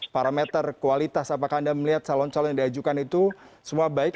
parameter kualitas apakah anda melihat calon calon yang diajukan itu semua baik